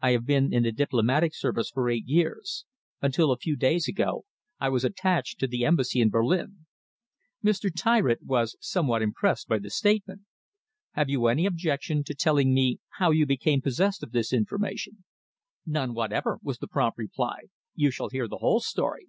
"I have been in the Diplomatic Service for eight years. Until a few days ago, I was attached to the Embassy in Berlin." Mr. Tyritt was somewhat impressed by the statement. "Have you any objection to telling me how you became possessed of this information?" "None whatever," was the prompt reply. "You shall hear the whole story."